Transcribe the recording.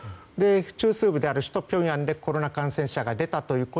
中枢部である首都ピョンヤンでコロナ感染者が出たと。